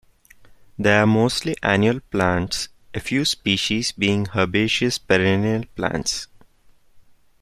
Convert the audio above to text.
They are mostly annual plants, a few species being herbaceous perennial plants.